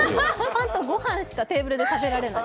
パンとごはんしかテーブルで食べられない。